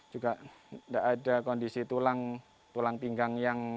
juga tidak ada kondisi tulang pinggang yang berbahaya